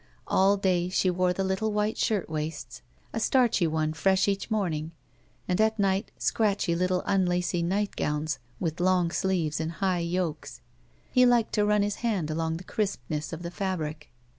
All day she wore the Uttle white shirt waists, a starchy one fresh each morning, and at night scratdiy little unlacy nightgowns with long sleeves and high yokes. He liked to run his hand along the crispness of the fabric.